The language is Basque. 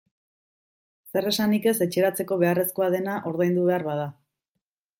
Zer esanik ez etxeratzeko beharrezkoa dena ordaindu behar bada.